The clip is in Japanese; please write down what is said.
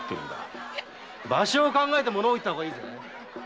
場所を考えてものを言った方がいいぜ！